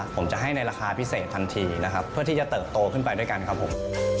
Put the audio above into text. ผมจะให้ในราคาพิเศษทันทีนะครับเพื่อที่จะเติบโตขึ้นไปด้วยกันครับผม